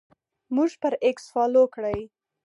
موږ پر اکس فالو کړئ